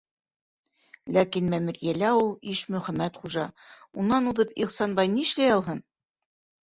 Ләкин мәмерйәлә ул - Ишмөхәмәт хужа, унан уҙып Ихсанбай нишләй алһын?